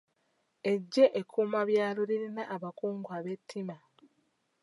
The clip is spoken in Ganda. Eggye ekkuumabyalo lirina abakungu ab'ettima.